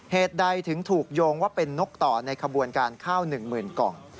เหตุใดถึงถูกโยงว่าเป็นนกต่อในขบวนการข้าว๑๐๐๐กล่อง